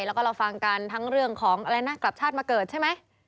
แล้วก็เราฟังกันทั้งเรื่องของอะไรนะกลับชาติมาเกิดใช่ไหม